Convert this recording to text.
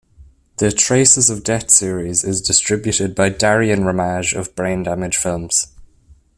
The "Traces of Death" series is distributed by Darrin Ramage of Brain Damage Films.